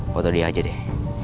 foto dia aja deh